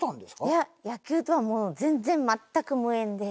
いや野球とはもう全然全く無縁で。